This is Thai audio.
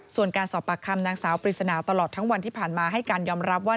ส่วนการสอบปากคำนางสาวปริศนาตลอดทั้งวันที่ผ่านมาให้การยอมรับว่า